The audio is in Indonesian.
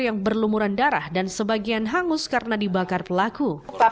yang berlumuran darah dan sebagian hangus karena dibakar pelaku